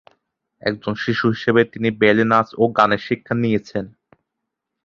একজন শিশু হিসেবে, তিনি ব্যালে নাচ ও গানের শিক্ষা নিয়েছেন।